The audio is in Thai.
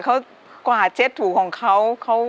เขากวาดเช็ดถูของเขา